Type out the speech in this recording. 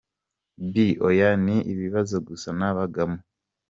B: Oya, ni ibibazo gusa nabagamo.